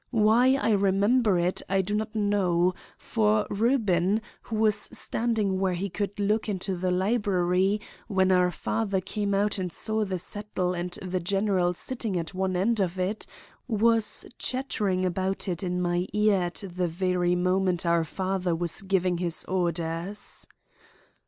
Why I remember it I do not know, for Reuben, who was standing where he could look into the library when our father came out and saw the settle and the general sitting at one end of it, was chattering about it in my ear at the very moment our father was giving his orders.